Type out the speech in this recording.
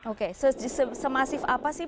oke semasif apa sih